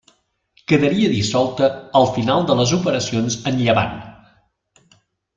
Quedaria dissolta al final de les operacions en Llevant.